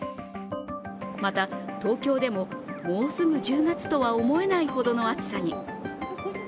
また、東京でももうすぐ１０月とは思えないほどの暑さに。